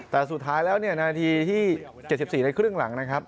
แต่สุดท้ายแล้วเนี่ยนาทีที่๗๔ในครึ่งหลังนะครับ